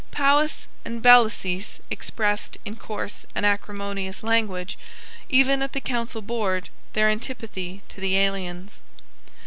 Powis and Bellasyse expressed, in coarse and acrimonious language, even at the Council board, their antipathy to the aliens.